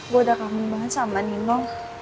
gue udah kangen banget sama nino